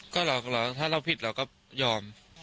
ก็ถ้าเราผิดเราก็ยอม